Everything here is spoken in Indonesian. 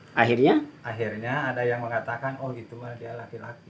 hai akhirnya akhirnya ada yang mengatakan oh gitu aja laki laki